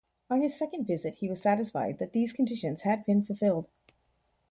On his second visit he was satisfied that these conditions had been fulfilled.